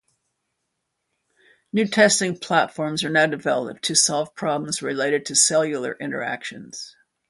New testing platforms are now developed to solve problems related to cellular interactions.